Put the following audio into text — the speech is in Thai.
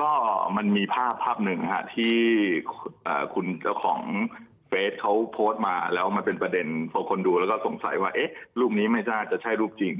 ก็มันมีภาพภาพหนึ่งที่คุณเจ้าของเฟสเขาโพสต์มาแล้วมันเป็นประเด็นพอคนดูแล้วก็สงสัยว่ารูปนี้ไม่น่าจะใช่รูปจริง